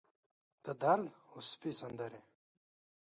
د درد اوسوي سندرې